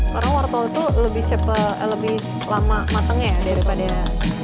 karena wortel itu lebih cepat lebih lama matangnya ya daripada